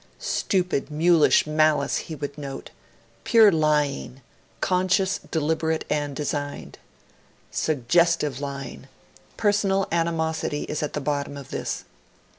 'Stupid, mulish malice,' he would note. 'Pure lying conscious, deliberate and designed.' 'Suggestive lying. Personal animosity is at the bottom of this.'